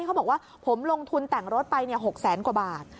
เขาบอกว่าผมลงทุนแต่งรถไป๖แสนกว่าบาท